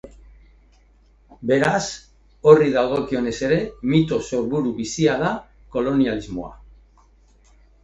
Beraz, horri dagokionez ere mito sorburu bizia da kolonialismoa.